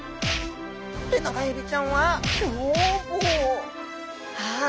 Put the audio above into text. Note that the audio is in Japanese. テナガエビちゃんは凶暴。